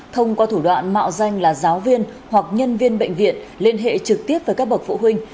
thông qua thủ đoạn mạo danh là giáo viên hoặc nhân viên bệnh viện liên hệ trực tiếp với các bậc phụ huynh